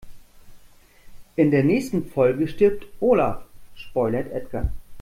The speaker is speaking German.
In der nächsten Folge stirbt Olaf, spoilert Edgar.